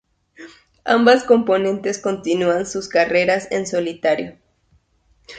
Ambas componentes continúan sus carreras en solitario.